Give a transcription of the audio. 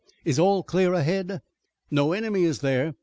Is all clear ahead?" "No enemy is there.